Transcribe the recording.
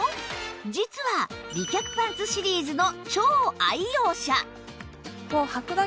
実は美脚パンツシリーズの超愛用者